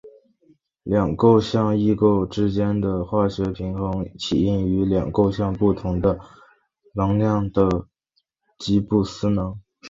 两构象异构之间的化学平衡起因于两构象不同能量的吉布斯能。